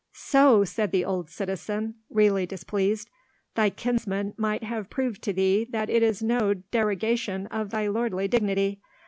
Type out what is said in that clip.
"So!" said the old citizen, really displeased; "thy kinsman might have proved to thee that it is no derogation of thy lordly dignity.